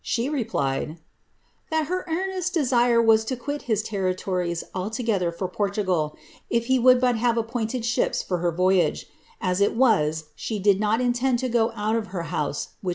She replied, ^that her earnest deeire was to quit his territories altogether for Portugal, if he would but htkve appointed ships for her voyage ; as it was, she did not intend to go oat of her house, which was her own by treaty."